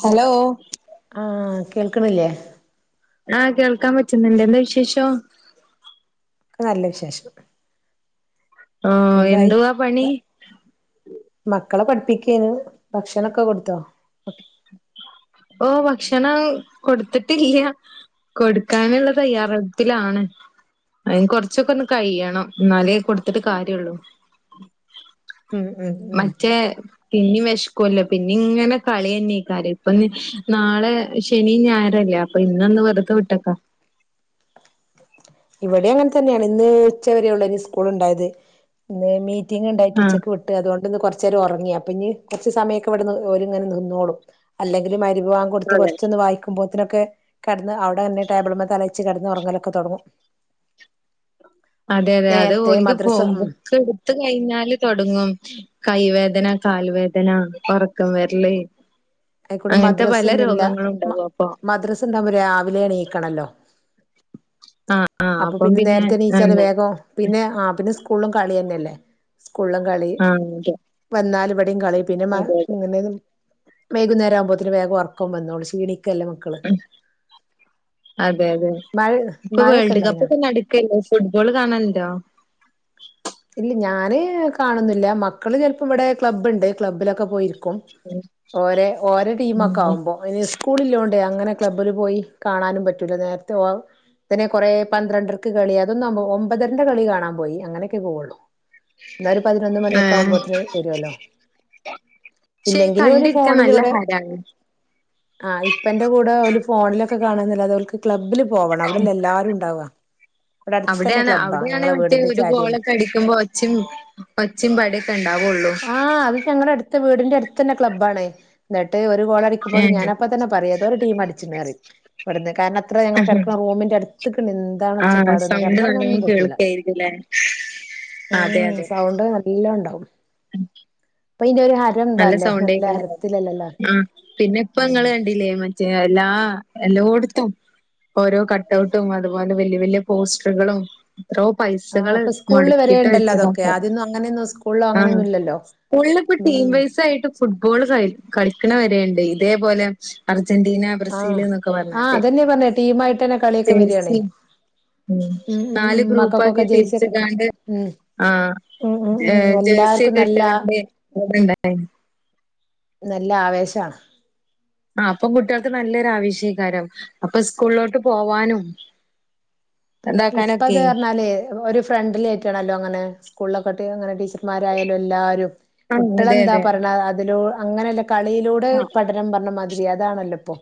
Hello ആഹ കേൾക്കണില്ലേ ആഹ കേൾക്കാൻ പറ്റുന്നുണ്ട് എന്താ വിശേഷം നല്ല വിശേഷം ആഹ എന്തായി എന്തുവാ പണി മക്കളെ പഠിപ്പിക്കാണ് ഭക്ഷണൊക്കെ കൊടുത്തോ ഓ ഭക്ഷണം കൊടുത്തിട്ടില്ല കൊടുക്കാനുള്ള തയ്യാറെടുപ്പിലാണ് അതിന് കൊറച്ചൊക്കെ ഒന്ന് കഴിയണം എന്നാലേ കൊടുത്തിട്ട് കാര്യള്ളു ഉം ഉം ഉം മറ്റേ പി [unintelligible] [unintelligible] പിന്നെ ഇങ്ങനെ കളി തന്നെയാ ഇപ്പൊ നാളെ ശനിയും ഞായറും അല്ലേ അപ്പൊ ഇന്നൊന്ന് വെറുത വിട്ടേക്കാം ഇവിടെ അങ്ങനെ തന്നെയാണ് ഇന്ന് ഉച്ച വരെയുള്ളൂ സ്കൂൾ ഉണ്ടായത് ഇന്ന് ഇനി - തിങ്ങ ഉണ്ടായിട്ട് ആഹ് ഉച്ചക്ക് വിട്ട് അതുകൊണ്ട് ഇന്ന് കുറച്ചു നേരം ഉറങ്ങിയപ - ഇനി കുറച്ച് സമയമൊക്കെ ഇ വിടുന്ന് ഒരുങ്ങി നിന്നോളും അല്ലെങ്കില് മ - വിഭ [unintelligible] വാം കൊടുത്ത് അതെ കുറച്ചൊന്ന് വായിക്കുമ്പോ ഇത്ര ഒക്കെ - അവിടെ തന്നെ ടേബിൽമേ തലവെ ച്ച് കിടന്ന് ഒറങ്ങൽ ഒക്കെ തൊടങ്ങും അതെ അതെ അത് നേരത്തെ ഓലക്ക് മദ്രസ ഉം ബുക്ക് എടുത്ത് കഴിഞ്ഞാല് തുടങ്ങും കൈവേദന കാല് വേദന എന്നാ ഉറക്കം വരലേ അയിക്കൂടെ മദ്രാസ ഒന്നുമില്ല മ അപ്പൊ. മദ്രസ് ഉണ്ടാകുമ്പോ രാവിലെ എണീ- ക്കണല്ലോ ആ ആ അപ്പൊ അപ്പം പിന്നെ നേരത്തെ എണീച്ചാല് ആണ് വേഗം പിന്നെ ആ പിന്നെ- ഫുള്ളും കളി തന്നെയല്ലേ [unintelligible] ഫുള്ളും കളി ആ അതെ വന്നാലും ഇ - കളയിം പിന്നെ മാ അതെ [unintelligible] വെയ്കുന്നേരം ആകുമ്പോത്തിന് വേഗം ഒറക്കോം വന്നോളും ഷീണി അതെ അതെ മഴ ഇപ്പൊ മഴയൊക്കെ വേൾഡ് കപ്പ് ഇണ്ടായിനോ ഒക്കെ നടക്കല്ലേ ഫുട്ബോൾ കാണല്ണ്ടോ? ഇല്ല ഞാന് കാണൊന്നില്ല മക്കള് ചെലപ്പോ ഇവിടെ ക്ലബ്ബുണ്ട് ക്ലബ്ബിലൊക്കെ പോയിരിക്ക് ക്കും ഓരെ ഓരെ ടീമൊക്കെ ഉം ആവുമ്പോ അയിന് ഇസ്കൂളിളേളാണ്ടെ അങ്ങനെ ക്ലബ്ബിൽ പോയി കാണാനും പറ്റൂല്ല നേരത്തെ ഒ ഇതിനെ കൊറെ പന്ത്രണ്ടരക്ക് കളി അതൊന്നും ഒമ്പതരന്റെ കളി കാണാൻ പോയി അങ്ങനെയെക്കെ [unintelligible] പോവുള്ളൂ ന്നാ ഒരു പതിനൊന്ന് ഏ മണിയൊക്കെ ആവുമ്പോത്തിന് വരുല്ലോ പക്ഷെ ഇല്ലെങ്കിലും ഓല് കണ്ടിരിക്കാൻ ഫോണില് നല്ല ഇവിടെ ഹരാണ്. ആ ഇപ്പന്റെ കൂടെ ഓല് ഫോണിലൊക്കെ കാണാന്നല്ലാതെ ഓല്ക്ക് ക്ലബ്ബില് പോവണം അവിടെല്ലെ എല്ലാരും ഇണ്ടാവാ ഇവിടെ അടുത്തന്നെ ക്ലബ്ബാ ആ ഞങ്ങള വീടിന്റെ ചാരിയെന്നെ പഠിക്കുമ്പോ ഒച്ചേം ഒച്ചേം പടയൊക്കെ ഉണ്ടാവുള്ളു ത്തെ വീടിന്റെ അടുത്ത് തന്നെ ക്ലബ് ആണെ എന്നിട്ട് ഒ ഒരു ഗോളടിടുമ്പോ ഏ ഞാനപ്പോ തന്നെ പറയും ഏതോ ഒരു ടീമ് അടിച്ചണ്ണ് പറിയും. ഇവിടന്ന് കാരണം അത്ര ഞങ്ങൾ കെടക്കണ റൂമിന്റെ അടുത്തക്ക് എന്താണ് ആ ഒച്ച പാട് സൗണ്ട് നല്ലോണം കെടന്നൊറങ്ങാനൊന്നും പറ്റൂല. കേൾക്കായിരിക്കുംല്ലേ അതെ ഉം അതെ. സൗണ്ട് നല്ലോം ഉണ്ടാവും [unintelligible] നല്ല എന്താല്ലേ സൗണ്ടയ്ക്കാരം ഹരത്തിലല്ലല്ലോ ആ പിന്നെ ഇപ്പങ്ങള് കണ്ടില്ലേ മ റ്റെ എല്ലാ എല്ലോടുത്തും ഓരോ കട്ടൗട്ടും അതു പോലെ വല്യ വലിയ പോസ്റ്ററുകളും എത്രോ ആ പൈസകള് അപ്പൊ സ്കൂളിൽ മൊടക്കിട്ട് വരെയുണ്ടല്ലോ അതൊക്കെ വെച്ചതാക്കാരം അദ്യൊന്നും അങ്ങനെയൊന്നും സ്കൂളിൽ ആഹ് അങ്ങനെയൊന്നും ഇല്ലല്ലോ ഫുള്ളിപ്പ ടീം ഉം വൈസ് ആയിട്ട് ഫുട്ബോള് ക കളിക്കണ ണ്ട് ഇതേപോലെ അർജ ജന്റീന ബ്രസീൽ ആഹ് എന്നൊക്കെ ആഹ് പറഞ്ഞാണ്ട് അതന്നെ പറഞ്ഞെ ടീമായിട്ടന്നെ കളിയൊക്കെ വരാണേ ജേഴ്സി ഉം ഉം നാല് ഉം മക്കൾക്കൊക്കെ ഗ്രൂപ്പാക്കി ജേഴ്സി ഒക്കെ ഇട്ട് തിരിച്ച്ങ്ങാണ്ട് ഉം ആ ഉം ഉം ജെ ഉം എല്ലാർക്കും ജേഴ്സിയൊക്കെ നല്ല ഇട്ട്ങ്ങാണ്ട് [unintelligible] നല്ല ആവേശാണ് ആ അപ്പം കുട്ടികൾക്ക് നല്ലൊരു ആവേശയ്ക്കാരം അപ്പം സ്കൂളിലോട്ട് പോവാനും ഇപ്പ അത് ഇതാക്കാനൊക്കെ പറഞ്ഞാലേ ഒരു ഫ്രണ്ടിലിയായിട്ടാണല്ലോ അങ്ങനെ [unintelligible] ടീച്ചർ മാരായാലും എല്ലാവരും ആഹ് അതെ കുട്ടികളെന്താ അതെ പറെണെ അതിലൂ അങ്ങനെ അല്ല കളിയിലൂടെ ആ പഠനം പറഞ്ഞമ പുതി അതാണല്ലോ ഇപ്പൊ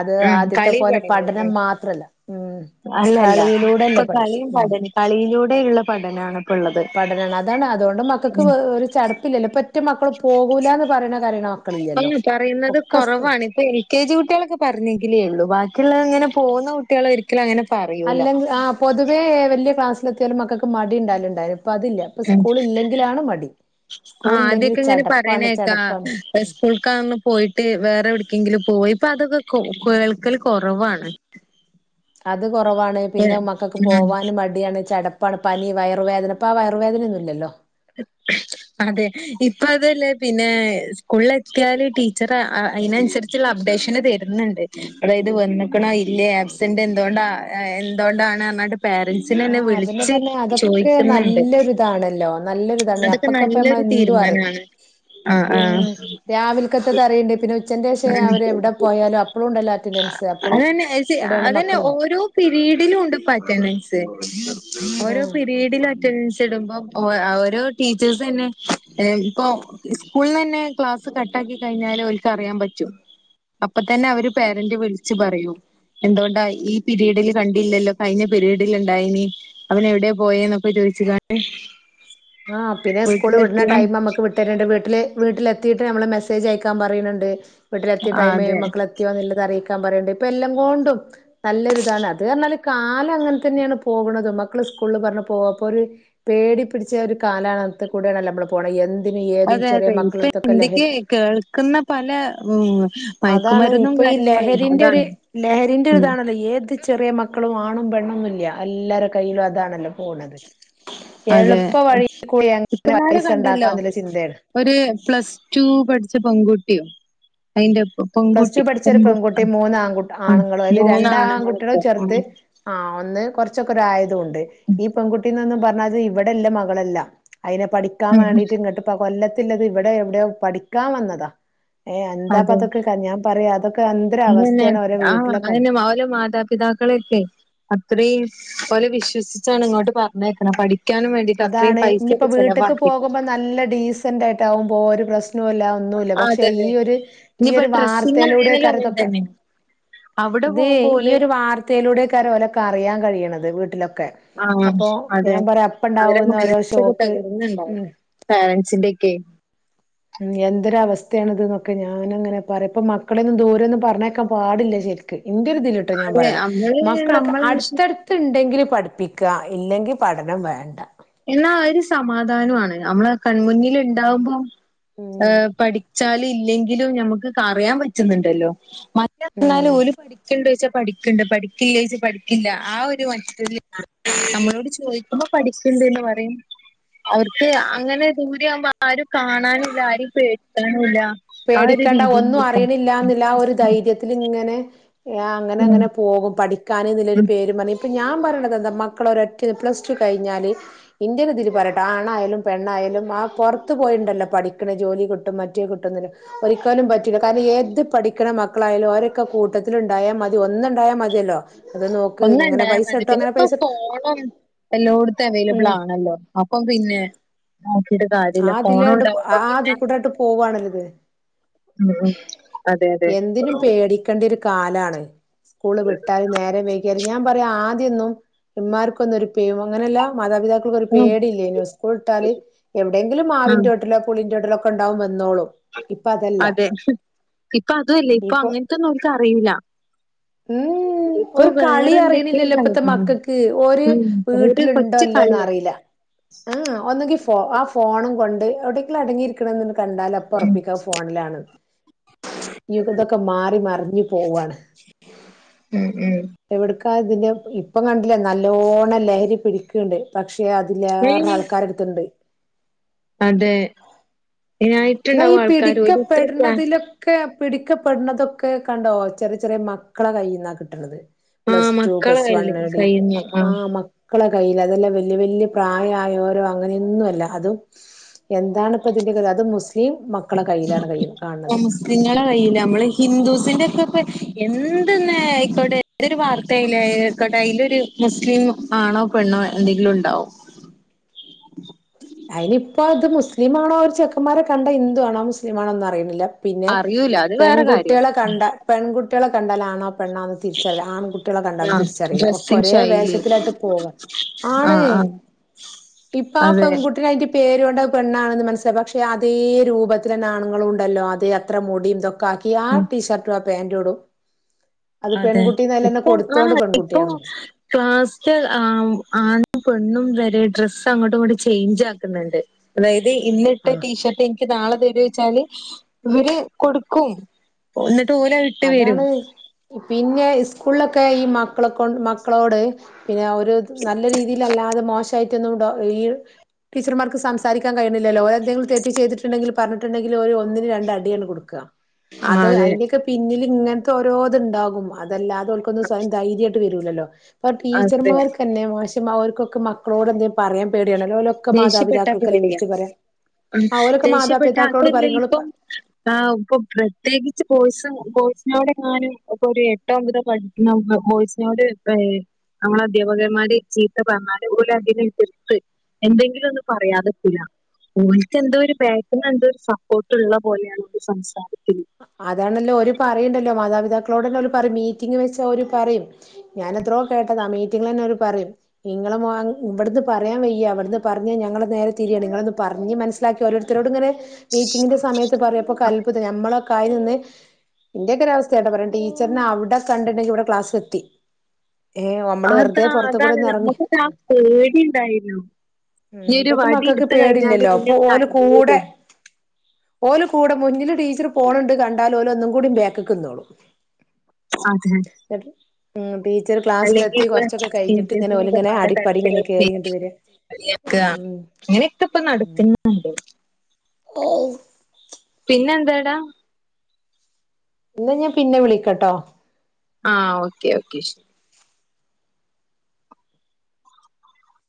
അത് ഉം ആദ്യത്തെ കളി പോലെ പഠനം ഉം മാത്രല്ല ഉം അല്ലല്ല കളിയിലൂ ഇപ്പൊ കളിയും പഠന [unintelligible] കളിയിലൂടെയുള്ള പഠനാണ് ഇപ്പ ഉള്ളത് പഠനാണ് അതാണ് അതുകൊണ്ട് മക്കൾക്ക് ഒരു ചടപ്പില്ലല്ലോ പ്പ എന്റെ മക്കൾ പോകൂല്ല എന്ന് പറയണോ കരയണോ ഒന്ന് പറയുന്നത് കൊറവാണ് ഇപ്പൊ എൽ കെ ജി കുട്ടികളൊക്കെ പറഞ്ഞെങ്കിലേ ഉള്ളൂ ബാ ക്കിയുള്ള ഇങ്ങനെ പോവുന്ന കുട്ടികൾ ഒരിക്കലും അങ്ങനെ പറയൂല അല്ലെങ്കി ആ പൊതുവേ ഏഹ് വലിയ ക്ലാസ് എത്തിയാലും മക്കൾക്ക് മടി ഉണ്ടാലും ഉണ്ടാലും ആ സ്കൂൾ ഇല്ലെങ്കിൽ ആദ്യൊക്കെ ഇങ്ങനെ ചടപ്പാണ് പറയണേക്കാ ചടപ്പാണ് ഉം സ്കൂൾക്കാന്ന് പോയിട്ട് വേറെവിടെക്കെങ്കിലും പോയി അപ്പൊ അതൊക്കെ കൊ കേൾക്കൽ കൊറവാണ് അത് കൊറവാണ് പിന്നെ മക്കൾക്ക് ഉം പോകാനും മടിയാണ് ചടപ്പ പണ പനി വയറുവേദന ഇപ്പൊ ആ വയറുവേദനയൊന്നും ഇല്ലല്ലോ അതെ ഇപ്പ അതല്ലേ പിന്നെ സ്കൂളിൽ എത്തിയാല് ടീച്ചർ അയിനനുസരിച്ചുള്ള അപ്ഡേഷന് തരുന്നുണ്ട് അതായത് വന്നേക്കണോ ഇല്ലയോ ആബ്സെന്റ് എന്തുകൊണ്ടാ എന്തോണ്ടാണ് പേരന്റ്സിനെ ആ അന്നെ അതന്നെ വിളിച്ച് പറഞ്ഞെ അതൊക്കെ ചോയിക്കുന്നുണ്ട് നല്ലൊരിതാണല്ലോ നല്ലൊരിതാണ് അപ്പക്കപ്പ നമ്മള് എന്തും അറിയും ആഹ് ഉം രാവിലക്കേത്തത് അറിയണ്ട് പിന്നെ ഉച്ചന്റെ അതന്നെ ശേഷം അവര് എവിടെ പോയാലും അപ്പളും ഉണ്ടല്ലോ അറ്റൻഡൻസ് അപ്പളും [unintelligible] ഇവിടെയാണ് അതന്നെ മക്കള് ഓരോ പിരീഡിലും ഉണ്ട്പ്പോ അറ്റെൻഡൻസ്. ഓരോ ആഹ് പിരീഡിലും അറ്റെൻ ത്ത്ടുമ്പം ഓ ആ ഓരോ ടീച്ചേഴ്സ് തന്നെ ഏ ഇപ്പോ സ്കൂള്ന്നെ ക്ലാസ്സ് കട്ടാക്കി കഴിഞ്ഞാല് ഒൽക്ക് അറിയാൻ പറ്റ് റ്റും, അപ്പ തന്നെ അവര് പേരന്റ് വിളിച്ചു പറയും എന്തുകൊണ്ടാ ഈ പീരിഡില് കണ്ടില്ലല്ലോ കഴിഞ്ഞ പീരിഡിൽ ഇണ്ടായിന് അവന് എവിടെയാ പോയെന്നൊക്കെ ചോദിച്ച് [unintelligible] ആഹ് പിന്നെ സ്കൂള് വിടണ ടൈം നമ്മക്ക് വിട്ടണ്ട്, വീട്ടില് വീട്ടിലെ ത്തിയിട്ട് നമ്മള് മെസ്സേജ് അയക്കാൻ പറയണുണ്ട്. വീട്ടിലെത്തിയ ആ ടൈമ് അതെ മക്കളെത്തിയോ എന്നുള്ളത് അറിയിക്ക ക്കാൻ പറയണ്ട്, ഇപ്പ എല്ലാം കൊണ്ടും നല്ലൊരിതാണ്, അത് കാരണല് കാലം അങ്ങനെ തന്നെയാണ് പോകണത് മക്കള് സ്കൂളില് പറഞ്ഞ് [unintelligible] ഒരു പേടി പിടിച് ച്ച് ഒരു കാലാണത്ത് കൂടെ ആണല്ലോ നമ്മള് പോണെ എന് അതെ അതെ ഇപ്പ ഇന്ത്യക്ക് കേൾക്കുന്ന പല മ് അതാണ് മയക്കുമരുന്നും ഇപ്പൊ ഈ കാര്യങ്ങളും ലഹരിന്റെ ഒരു അതാണ് ലഹരിന്റെ മ് ഒരുരിതാണല്ലോ ഏത് ചെറിയ മക്കളും ആണും പെണ്ണൊന്നുംല്ല്യ എല്ലാര കൈയ്യിലും അതാണല്ലോ പോണത് കേരളത് കുട്ടനാട് കണ്ടല്ലോ ചിന്തയാണ് ഒരു പ്ലസ് ടു പഠിച്ച പെൺകുട് യ്യോ അയിന്റെ പ്ലസ് ടു പെൺകുട്ടി പഠിച്ച ഒരു പെൺകു പെൺകുട്ടി ആ മൂന്നാൺകുട് ആണുങ്ങളും അയില് രണ്ടാൺകുട്ടികള് മൂന്നാണുങ്ങളൊക്കെ ഉം ചെറുത് ആ ഒന്ന് കൊറ ച്ചൊക്കെ ഒരായതും ഈ പെങ്കുട്ടിന്നന്നു പറ അതെ ഇവിടെല്ല മകളല്ല. അയിനെ പഠിക്കാൻ ഉം വേണ്ടീട്ട് ഇങ്ങിട്ട് പ്പ കൊല്ലത് ഇല്ല അത് ഇവിടെ എവിടെയോ പഠിക്കാൻ വന്നതാ. ഏ അതെ എന്താപ്പത്? ഞാൻ പറയാ അതൊക്. അതന്നെ ആ അങ്ങനെ അവര് മാതാപിതാക്കളൊക്കെ അത്രേം ഓലെ വിശ്വസിച്ചാണ് ഇങ്ങോട്ട് പറഞ്ഞേക്കണെ പഠിക് അതാണ് ഇനിയിപ്പോ വീട്ടക്ക് പോകുമ്പോ നല്ല ഡീസന്റ് ആയിട്ടാകും പോക്വ ഒരു പ്രശ് നോല്ല ഒന്നുവില്ല ആ പക്ഷെ അതെ ഈ അതെ ഒരു ഈ ഇനിയിപ്പോ ഒരു ഡ്രസ്സിങ് ആയാലും അങ്ങനെ വാർത്തയിലൂടെയാക്കാരിതൊക്കെ തന്നെയാണ് അവിടെ ഇതേ പോകുമ്പോ ഈ ഓല് ഒരു വാർത്തയിലൂടെകാര് ഓലെക്കെ അറിയാൻ കഴിയണം. നല്ല വീട്ടില് ഒക്കെ അപ്പൊ ഞാൻ പറയാ അവരങ്ങു അപ്പണ്ടാവുന്ന ഓരോ മനസ്സങ്ങു ഷോക്ക് തകർന്നുണ്ടാവും, ഉം പാരൻസ്. ഇതൊക്കെ ഉം എന്തൊരു അവസ്ഥയാണിതന്നൊക്കെ ഞാനങ്ങനെ പറയാ ഇപ്പ മക്കളെയൊന്നും ദൂരയൊന്നും പറഞ്ഞക്കാൻ പാടില്ല ശരിക്ക്. എന്റൊരുതിലാട്ടോ ഞാൻ അതെ പറയെണെ നമ്മള് മക്കളൊക്കെ നമ്മളെ വിശ്വ അടുത്തടുത്ത് ഉണ്ടെങ്കിലും പഠിപ്പിക്കുക ഇല്ലെങ്കിൽ പഠനം വേണ്ട. എന്നാ ഒരു സമാധാനമാണ് നമ്മള് കൺമുന്നിൽ ഉണ്ടാവുമ്പോ ഉം ഏ പഠിച്ചാല്. ഇല്ലെങ്കിലും ഞമ്മക്കൊക്കറിയാൻ പറ്റുന്നുണ്ടല്ലോ. മറ്റതെന്നാല് ഉം ഓല് പഠിക്കണണ്ടോ ചോയ്ച്ച പഠിക്കുണ്ട് പഠിക്കില്ല ച പഠിക്കില്ല ആ ഒരു മനസ്ഥിതി ച്ച് നമ്മളോട് ചോദിക്കുമ്പോ പഠി ക്കിണ്ടന്ന് [unintelligible] പറയും. അവർക്ക് അങ്ങനെ ഇവിടെ ആവുമ്പോ ആരും കാണാനുംല്ല ആരേം പേടിക്കാനുംല്ല. പേടിക്കണ്ട ഒന്നും അറിയണില്ല എന്നുള്ള ആ ഒരു ധൈര്യത്തിലിങ്ങനെ ആ ഉം അങ്ങനങ്ങനെ പോകും പഠി കാന [unintelligible] നല്ലൊരു ഉം പേര് പറയും ഇപ്പം ഞാൻ പറയണത് എന്താ മക്കളൊര ഒറ്റ പ്ലസ് ടു കഴിഞ്ഞാൽ ഇന്ത്യനെതിരി പറയട്ടെ ആണായാലും പെണ്ണായാലും ആ പുറത്ത് പോയിുണ്ടല്ലോ പഠിക്കണ ജോലി കിട്ടും മറ്റേ കിട്ടുന്നില്ല ഒരിക്കലും പറ്റില്ല കാരണം ഏത് പഠിക്കണ മക്കളായാലും ഒരൊക്കെ കൂട്ടത്തില ഉണ്ടായാൽ മതി ഒന്നുണ്ടായാൽ മതിയല്ലോ അത് നോക്ക് ഒന്ന ഇങ്ങനെ ഉണ്ടായാൽ പൈസ മതി കിട്ടും പിന്നെ അങ്ങനെ ഇപ്പൊ പൈസ ഫോണും എല്ലോടത്തും അവൈലബിൾ ഉം ആണല്ലോ അപ്പം പിന്നെ കാര്യല്ല ആതില്ലാണ്ട് ഫോണുണ്ടാവുമ്പോ ആതി പിന്നെ കൂടൊയിട്ട് പോവവാണല്ലത് ഉം ഉം അതെ അതെ എന്തിനും പേടിക്കേണ്ട ഒരു കാലാണ് സ്കൂള് വിട്ടാല് നേരരെ വൈക്കിയാല് ഞാൻ പറയാ ആദ്യം [unintelligible] ഒരു ഉം പേടില്ലേനു സ്കൂൾ ഇട്ടാല് എവിടെങ്കിലും ഉം മാവിന്റെ ഓട്ടിലോ പുളിന്റെ ഓട്ടി [unintelligible] അതെ ഇപ്പ അതു അല്ലേ ഇപ്പ ഇപ്പൊ അങ്ങൻത്തൊന്നും ഓൽക്ക് അറിയൂല ഉം ഉം ഇപ്പൊ ഒരു കളി വേറെന്തൊക്കെയോ അറിയ്ണില്ലല്ലോ ഇപ്പത്തെ കളികളാ മക്കക്ക് ഓര് ഉം ഓര് വീട്ടിലുണ്ടോ കൊച്ചു ഇല്ലേന്ന് കളിയാ അറീല ഹേ ഒന്നങ്കി ആ ഫോണും കൊണ്ട് എവിടേങ്കിലും അടങ്ങിയിരിക്കണ കണ്ടാല് അപ്പ ഉം ഒർപ്പിക്കാ അഹ് ഫോൺലാണ് ഞ് ഇതൊക്കെ മാറി മർഞ് പോവാണ് ഉം ഉം എവിട്ക്ക ഇതി ഇപ്പം കണ്ട്ലേ നല്ലോണം ലഹരി പിടിക്ണ്ട് പക്ഷെ പക്ഷെ അതിലേറെ ഏയ് ആൾക്കാരെ എട്ത്ണ്ട് അതെ എന്നാ ഈ ഇതിനായിട്ടുണ്ടാവും ആൾക്കാര് ഓല് ഇത്ര പ്രാ പിടിക്കപ്പെട്ണതിലൊക്കെ പിടിക്കപ്പെടുന്നതൊ ക്കെ കണ്ടോ ചെറിയ ചെറിയ മക്കളെ കൈയ്യിന്നാ കിട്ട്ണത് ആഹ് പ്ലസ്റ്റു, മക്കളെ പ്ലസ് കയ്യില് വണ്ണ്, ഡി കയ്യിന്ന് ആ ആഹ് മ ക്കളെ കയ്യില് അതെല്ല വല്യ വല്യ പ്രായയോരോ അങ്ങനെന്നും അല്ല അതും എന്താണ് ഇപ്പോ ഇതിന്റെ കഥ അത് മുസ് [unintelligible] മുസ്ലിങ്ങളുടെ കയ്യിലാ. നമ്മള് ഹിന്ദുസിന്റെ [unintelligible] എന്തെന്നെ ആയ്ക്കോട്ടെ ഏതൊരു വാർത്തയിലായാലോ ആയ്ക്കോട്ടെ അതിലൊരു മുസ്ലിം ആണോ പെണ്ണോ എന്തെങ്കിലും ഉണ്ടാവും. മുസ്ലീമാണോ ഒരു ചെക്കന്മാരെ കണ്ടാ ഹിന്ദു ആണോ മുസ്ലീമാണോന്ന് അറിയുന്നില്ല. പിന്നെ അറിയൂല അത് വേറെ കാര്യം പെൺകുട്ടികളെ കണ്ടാ പെൺകുട്ടി കുട്ടികളെ കണ്ടാൽ ആണോ പെണ്ണാന്നു തിരിച്ചറിയില്ല. ആൺകുട്ടികളെ കണ്ടാലും ആഹ് തിരിച്ചറിയില്ല. ഒക്കെ ഡ്രസ്സിങ് ഒരേ ശൈലി വേഷത്തിലായിട്ട് പോകും. ആണ്, ആഹ് ആഹ് ഇപ്പ അതെ പെങ്കുട്ടി അതിൻ്റെ പേര് [unintelligible] പെണ്ണാണെന്ന് മനസ്സിലാക്കാം. പക്ഷെ അതേ രൂപത്തി തന്നെ ആണുങ്ങളും ഉണ്ടല്ലോ. അതേ അത്ര മുടിയും ഇതൊക് കാക്കി ആ ഉം ടീഷർട്ടും പാൻ്റും ഇടും. അത് അതെ. പെൺകുട്ടിന്നതിലന്നെ ഇപ്പം ആ കൊടുത്തോണ്ട് ഇപ്പം പെൺകുട്ടിയാണെന്ന് മനസ്സിലാവും കാസ്റ്റ്‌ ആ ആണും പെണ്ണും വേ ഈ ഡ്രസ് അങ്ങോട്ടും ഇങ്ങോട്ടും ചേഞ്ച് ആക്കുന്നൊണ്ട്. അതായത് എടീ ഇന്നിട്ട ആഹ് ടീഷർട്ട് എനിക്ക് നാളെ തരോച്ചാല് ഇവര് കൊടുക്കും. എന് ന്ട്ട് ഓലെ ഇട്ട് വരും. അതാണ് പിന്നെ ഇസ്കൂളിലൊക്കെ ഈ മക്കളെ കൊ മക്കളോട് പിന്നെ ഒരു നല്ല രീതിയിലല്ലാതെ മോശം ട്ടൊന്നും ഈ ടീച്ചർമാർക്ക് സംസാരിക്കാൻ കഴിയുന്നില്ലല്ലോ ഓരോന്തെങ്കിലും തെറ്റ് ചെയ്തിട്ടുണ്ടെങ്കിൽ പറഞ്ഞിട്ടുണ്ടെങ്കിൽ ഒരു ഒന്നിന് രണ്ടടി അങ്ങ്ട് കൊടുക്ക ആഹ് അത് അതെ അയിന്റൊക്കെ ൽ ഇങ്ങൻത്തെ ഓരോത് ഇണ്ടാകും അതല്ലാതെ ഓൽക്കൊന്നും സ്വയം ധൈര്യട്ട് വരൂലല്ലോ പ്പം അതെ ടീച്ചർമാർക്കെന്നെ ശ [unintelligible] ഓൽക്കൊക്കെ മക്കളോട് എന്തേ പറയാൻ പേ ദേഷ്യപ്പെട്ടാ പേടിയ ആ ഓലൊക്കെ ദേഷ്യപ്പെട്ട മാതാപിതാക്കളോട് അതല്ല പറയും ഇപ്പം ഇങ്ങള് ആ ഇപ്പൊ പ്രത്യേകിച്ച് ബോയിസ് ബോയ്സിനോടെങ്ങാനും ഇപ്പൊ ഒരു എട്ടൊ ഒമ്പതോ പഠിക്കുന്ന ബോയ്സിനോട് ഏ നമ്മളെ അധ്യാപകർമാര് ചീത്ത പറഞ്ഞാല് ഓല് അതിനെ എതിർത്ത് എന്തെങ്കിലും ഒന്നും പറയാതെ ക്കൂലാ ഓൽക്ക് എന്തോ ഒരുബേക്ക് ന്ന് എന്തോ ഒരു സപ്പോർട്ട്ള്ള പോലെയാണ് സംസാരത്തിൽ അതാണല്ലോ ഒരു പറയുണ്ടല്ലോ മാതാപിതാക്കളോട്ന്നെ പറയും മീറ്റിംങ് വെച്ച ഓര് പറയും ഞാൻ എത്രയോ കേട്ടതാ മീറ്റിങ്ങിൽ തന്നെ ഓര് പറയും നിങ്ങളും ഇവിടുന്ന് പറയാൻ വയ്യ വിടുന്ന് പറഞ്ഞ ഞങ്ങള് നേരെ തിരിയാണ് നിങ്ങളൊന്ന് പറഞ്ഞ് മനസ്സിലാക്കി ഓരോരുത്തരോട് ഇങ്ങനെ മീറ്റിങ്ങിന്റെ സമയത്ത് പറയപ്പോ ഒക്കെ അത്ഭുതം നമ്മള കാരുന്ന് ഇന്റെയൊക്കൊ ഒരു അവസ്ഥയട്ടോ പറയാം ടീച്ചറിനെ അവിടെ കണ്ടിണ്ടെങ്കി ഇവിടെ ക്ലാസ്സി എത്തി അതാ അതാണ് നമ്മുക്കൊക്കാ ആ പേടി ഉണ്ടായിരുന്നു ഉം ഞ്ഞ് ഒരു ഇപ്പത്തെ വടി മക്കൾക്ക് എടുത്ത് കഴിഞ്ഞാല് പേടില്ലല്ലോ പിന്നെ അപ്പൊ [unintelligible] പേടി ഓലെ കൂടെ മുന്നില് ടീച്ചർ പോണുണ്ട് കണ്ടാല ഓലെ ഒന്നും കൂടി ബേക്ക്ക്ക് ന്നോള്ളും അതെ ഉം ടീ അല്ലെങ്കിൽ ഇപ്പ ടീച്ചേഴ്സിനെക്ക ഓലിങ്ങനെ പല അടിപ്പടി ഇങ്ങനെ തരത്തില് കേറിങ്ങട്ട് [unintelligible] വരാ ഉം അങ്ങനെക്ക ഇപ്പ നടക്കന്നിണ്ട്. പിന്നെന്താടാ? എന്നാ ഞാൻ പിന്നെ വിളിക്കാട്ടോ ആ ഓക്കെ ഓക്കെ ശരി